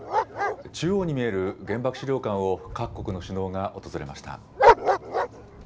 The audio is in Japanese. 中央に見える原爆資料館を、各国の首脳が訪れました。